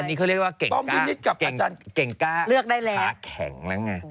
อันนี้ก็เรียกว่าเก่งก้าค้าแข็งแล้วไง